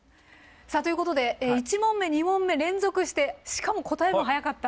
さあということで１問目２問目連続してしかも答えも早かった。